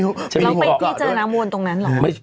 แล้วไปที่เจอน้ำวนตรงนั้นเหรอ